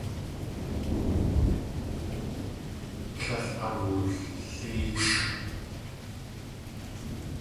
Tlél awullʼéexʼ.